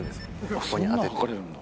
ここに当てて。